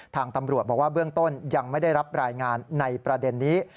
ทางตำรวจบอกว่าเบื้องต้นยังไม่ได้รับรายงานในประเด็นนี้